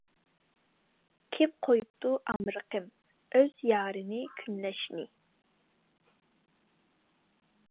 كىم قويۇپتۇ ئامرىقىم، ئۆز يارىنى كۈنلەشنى.